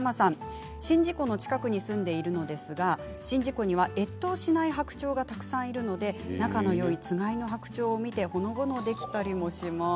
宍道湖の近くに住んでいるのですが、宍道湖には越冬しない白鳥がたくさんいるので仲のよいつがいの白鳥を見てほのぼのできたりします。